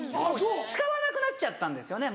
使わなくなっちゃったんですよね